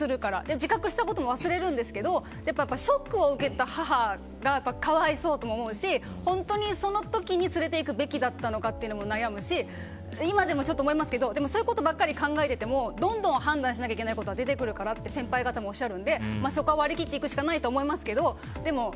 自覚したことも忘れるんですけどショックを受けた母が可哀想だったし本当にその時に連れていくべきだったのかというのも悩むし今でもちょっと思いますけどでも、そういうことばかり考えていてもどんどん判断しなきゃいけないことが出てくるからって先輩方もおっしゃるのでそこは割り切っていくしかないですけど。